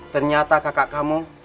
ternyata kakak kamu